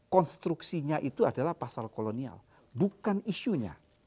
konstruksinya itu adalah pasal kolonial bukan isunya